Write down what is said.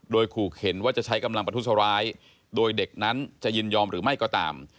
โดยขู่เข็นว่าจะใช้กำลังประทุษร้ายโดยเด็กนั้นจะยินยอมหรือไม่ก็ตาม